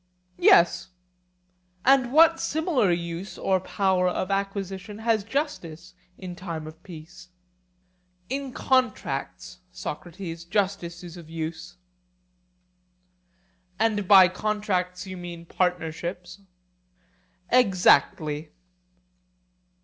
Yes. And what similar use or power of acquisition has justice in time of peace? In contracts, Socrates, justice is of use. And by contracts you mean partnerships? Exactly.